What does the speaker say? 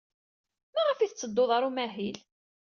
Maɣef ay tetteddud ɣer umahil?